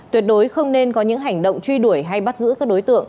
tuyệt đối không nên có những hành động truy đuổi hay bắt giữ các đối tượng